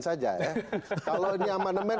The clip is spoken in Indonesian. saja ya kalau ini amandemen